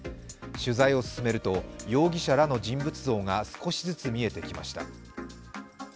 取材を進めると容疑者らの人物像が少しずつ見えてきました。